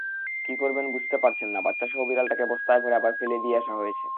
কি করবেন বুঝতে পারছেন না বাচ্চাসহ বিড়ালটাকে কস্তায় ভরে আবার ফেলে দিয়ে আসা হয়েছে।